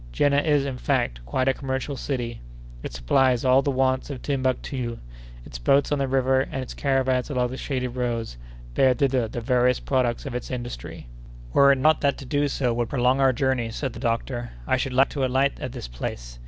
Jenné is, in fact, quite a commercial city: it supplies all the wants of Timbuctoo. Its boats on the river, and its caravans along the shaded roads, bear thither the various products of its industry. "Were it not that to do so would prolong our journey," said the doctor, "I should like to alight at this place.